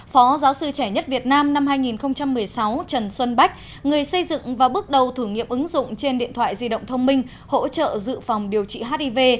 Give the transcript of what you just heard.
phó giáo sư trẻ nhất việt nam năm hai nghìn một mươi sáu trần xuân bách người xây dựng và bước đầu thử nghiệm ứng dụng trên điện thoại di động thông minh hỗ trợ dự phòng điều trị hiv